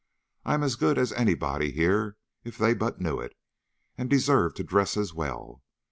I'm as good as anybody here if they but knew it, and deserve to dress as well.